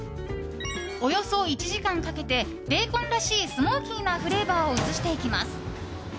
およそ１時間かけてベーコンらしいスモーキーなフレーバーを移していきます。